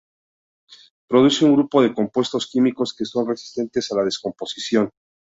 Produce un grupo de compuestos químicos que son muy resistentes a la descomposición.